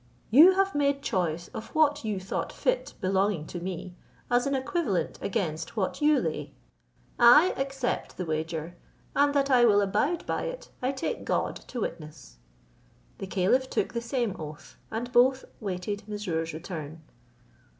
You have made choice of what you thought fit belonging to me, as an equivalent against what you lay; I accept the wager, and that I will abide by it, I take God to witness." The caliph took the same oath, and both waited Mesrour's return.